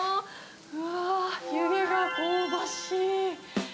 うわー、湯気が香ばしい。